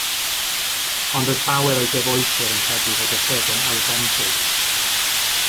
Ond roedd llawer o'i gyfoeswyr yn credu fod y llyfr yn awthentig.